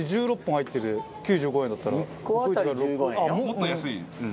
もっと安い。